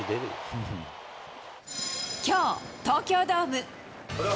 きょう、東京ドーム。